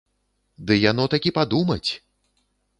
Ды яно такі падумаць!